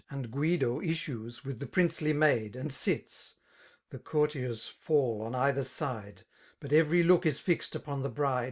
And Guido issues with the princely maid. And sits;— the courtiers fall on either side ; But every look is fixed upon the bride.